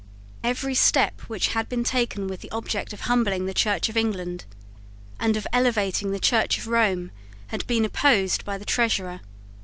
Every step which had been taken with the object of humbling the Church of England, and of elevating the Church of Rome, had been opposed by the Treasurer.